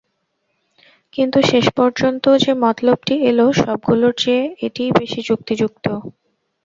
কিন্তু শেষপর্যন্ত যে মতলবটি এল সবগুলোর চেয়ে এটিই বেশি যুক্তিযুক্ত।